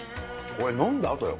これ、飲んだあとよ。